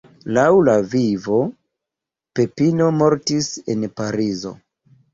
Laŭ la "Vivo", Pepino mortis en Parizo.